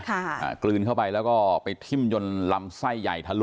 อ่ากลืนเข้าไปแล้วก็ไปทิ้มจนลำไส้ใหญ่ทะลุ